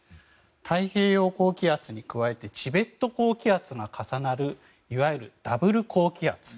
太平洋高気圧に加えてチベット高気圧が重なるいわゆるダブル高気圧。